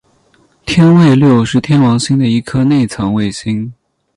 天卫六是天王星的一颗内层卫星。